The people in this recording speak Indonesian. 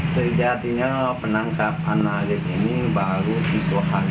sejatinya penangkapan arief ini baru di tangerang